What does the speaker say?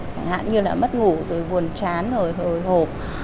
chẳng hạn như là mất ngủ rồi buồn chán rồi hồi hộp